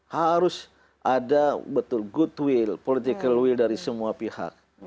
harus ada good will political will dari semua pihak